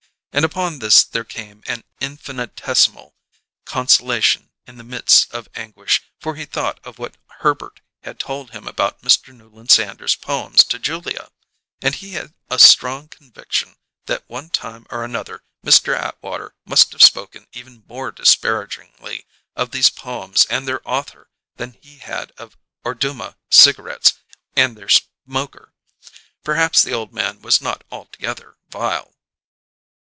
And upon this there came an infinitesimal consolation in the midst of anguish, for he thought of what Herbert had told him about Mr. Newland Sanders's poems to Julia, and he had a strong conviction that one time or another Mr. Atwater must have spoken even more disparagingly of these poems and their author than he had of Orduma cigarettes and their smoker. Perhaps the old man was not altogether vile.